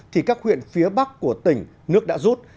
thì các huyện phía bắc của tỉnh nước đã rút